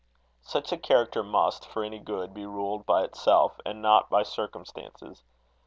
Such a character must, for any good, be ruled by itself, and not by circumstances.